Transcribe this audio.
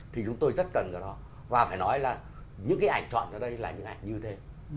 thì chúng tôi rất cần cái đó và phải nói là những cái ảnh chọn ra đây là những ảnh như thế